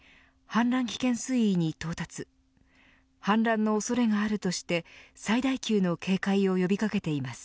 氾濫の恐れがあるとして最大級の警戒を呼び掛けています。